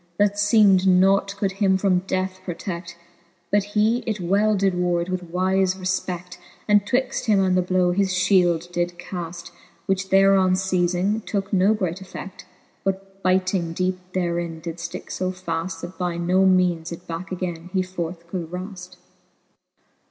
That feemed nought could him from death protect:' But he it well did ward with wife refpect, And twixt him and the blow his fhield did caflr, Which thereon fei2dng, tooke no great effe6l:. But byting deepe therein did fticke fb faft, That by no meanes it backe againe he forth could wraft.